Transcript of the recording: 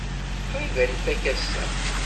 Qrib ad nfak ass-a.